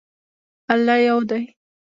الله یو دی.